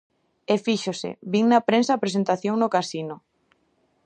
E fíxose, vin na prensa a presentación no casino.